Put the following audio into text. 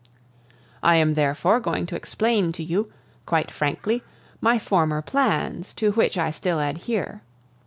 "I am therefore going to explain to you, quite frankly, my former plans, to which I still adhere.